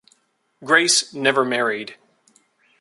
Grace never married.